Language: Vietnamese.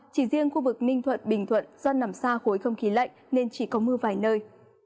chỉ riêng khu vực ninh thuận bình thuận do nằm xa khối không khí lạnh nên chỉ có mưa vài nơi